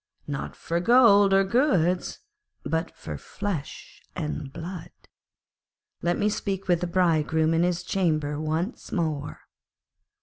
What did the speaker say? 'Not for gold and goods, but for flesh and blood. Let me speak with the Bridegroom in his chamber once more.'